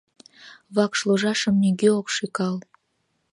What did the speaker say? Вакш ложашым нигӧ ок шӱкал.